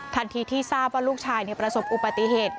ทันทีที่ทราบว่าลูกชายประสบอุบัติเหตุ